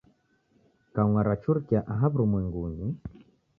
Kaunga rachurikia aha wurumwengunyi